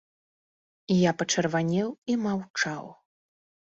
Я пачырванеў і маўчаў.